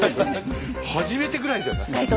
初めてぐらいじゃない？